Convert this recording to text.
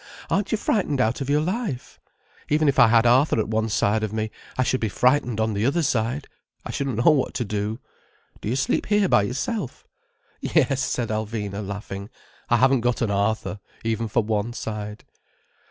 Aren't you frightened out of your life? Even if I had Arthur at one side of me, I should be that frightened on the other side I shouldn't know what to do. Do you sleep here by yourself?" "Yes," said Alvina laughing. "I haven't got an Arthur, even for one side."